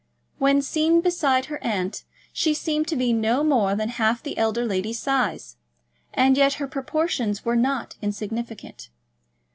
When seen beside her aunt, she seemed to be no more than half the elder lady's size; and yet her proportions were not insignificant.